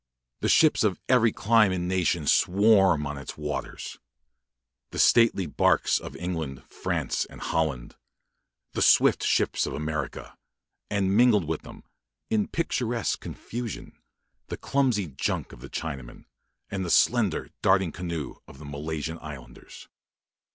The ships of every clime and nation swarm on its waters the stately barques of England, France, and Holland; the swift ships of America; and mingled with them, in picturesque confusion, the clumsy junk of the Chinaman, and the slender, darting canoe of the Malaysian islanders.